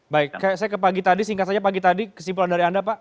baik saya ke pagi tadi singkat saja pagi tadi kesimpulan dari anda pak